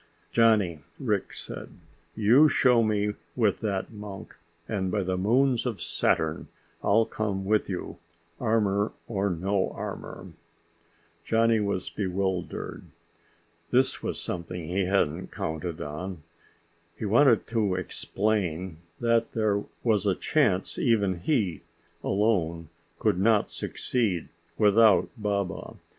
"Johnny," Rick said, "you show me with that monk, and by the moons of Saturn, I'll come with you, armor or no armor!" Johnny was bewildered. This was something he hadn't counted on. He wanted to explain that there was a chance even he, alone, could not succeed without Baba.